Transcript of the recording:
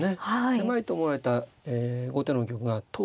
狭いと思われた後手の玉が遠かったですよね。